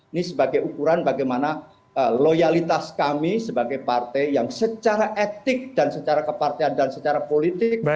ini sebagai ukuran bagaimana loyalitas kami sebagai partai yang secara etik dan secara kepartean dan secara politik